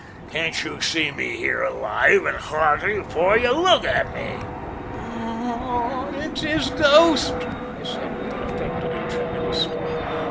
Can't you see me here alive and hearty afore you? Look at me." "Ah, it's his ghost!" I said, with an affected and tremulous start.